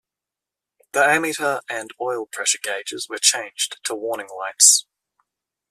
The ammeter and oil pressure gauges were changed to warning lights.